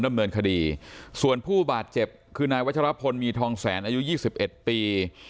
ดำเนินคดีส่วนผู้บาดเจ็บคือนายวัชรพลมีทองแสนอายุยี่สิบเอ็ดปี